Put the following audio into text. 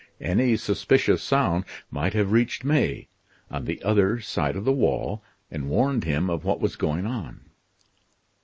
Any suspicious sound might have reached May, on the other side of the wall, and warned him of what was going on.